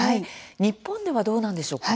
日本ではどうなんでしょうか。